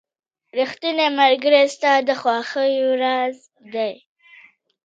• ریښتینی ملګری ستا د خوښیو راز دی.